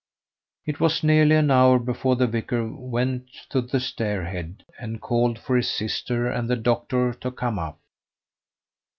It was nearly an hour before the vicar went to the stair head, and called for his sister and the doctor to come up.